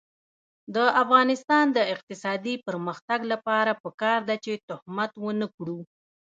د افغانستان د اقتصادي پرمختګ لپاره پکار ده چې تهمت ونکړو.